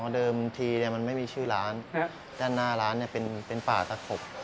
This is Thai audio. เดิมทีมันไม่มีชื่อร้านด้านหน้าร้านเป็นป่าตะขบ